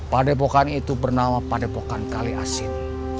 padepokan itu bernama padepokan kali asin